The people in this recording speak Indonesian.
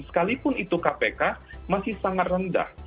sekalipun itu kpk masih sangat rendah